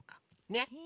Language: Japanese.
ねっ！